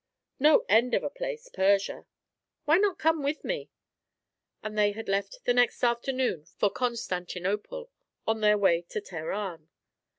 No end of a place, Persia. Why not come with me?" And they had left the next afternoon for Constantinople, on their way to Teheran.